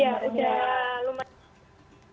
iya udah lumayan